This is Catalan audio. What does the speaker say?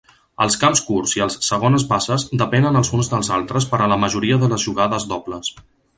Els camps curts i els segones bases depenen els uns dels altres per a la majoria de les jugades dobles.